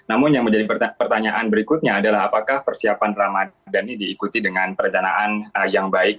namun yang menjadi pertanyaan berikutnya adalah apakah persiapan ramadhan ini diikuti dengan perencanaan yang baik